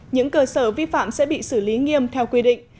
những cơ sở vi phạm sẽ bị xử lý nghiêm theo quy định